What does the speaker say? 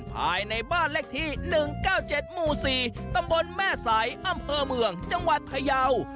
ภายในบ้านเลขที่๑๙๗หมู่๔ตำบลแม่สายอำเภอเมืองจังหวัดพยาว